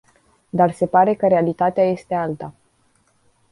Dar se pare că realitatea este alta.